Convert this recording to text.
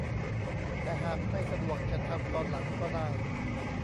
แต่หากไม่สะดวกจะทำตอนหลังก็ได้